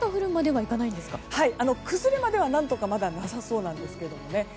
はい、崩れまでは何とかまだなさそうなんですけどもね。